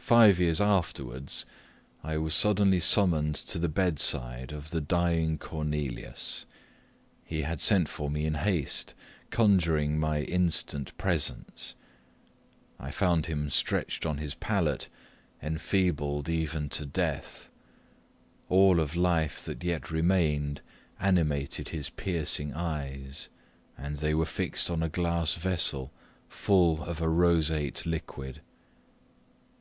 Five years afterwards I was suddenly summoned to the bedside of the dying Cornelius. He had sent for me in haste, conjuring my instant presence. I found him stretched on his pallet, enfeebled even to death; all of life that yet remained animated his piercing eyes, and they were fixed on a glass vessel, full of a roseate liquid.